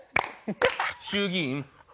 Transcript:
衆議院。